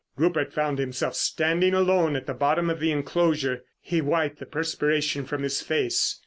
Rupert found himself standing alone at the bottom of the enclosure. He wiped the perspiration from his face.